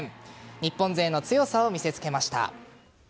日本勢の強さを見せ付けました。